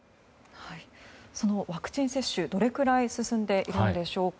そのワクチン接種どれくらい進んでいるんでしょうか。